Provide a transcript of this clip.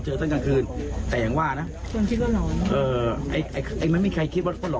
เมื่อร่างกายเราอ่อนแอจีดอ่อนแอปั๊บ